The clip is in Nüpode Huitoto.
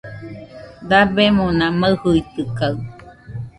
Dabemona maɨjɨitɨkaɨ